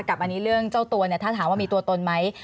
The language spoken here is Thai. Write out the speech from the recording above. กับเรื่องเจ้าตัวถามว่ามีตัวตนไหม